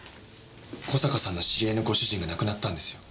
小坂さんの知り合いのご主人が亡くなったんですよ。